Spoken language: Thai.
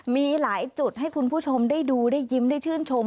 มีหลายจุดให้คุณผู้ชมได้ดูได้ยิ้มได้ชื่นชม